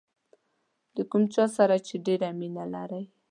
د کوم چا سره چې ډېره مینه لرئ.